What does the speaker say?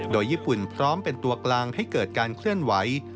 โดยญี่ปุ่นพร้อมเป็นตัวกลางให้เกิดการเคลื่อนไหว